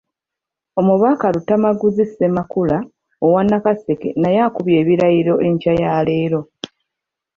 Omubaka Luttamaguzi Ssemakula owa Nakaseke naye akubye ebirayiro enkya ya leero.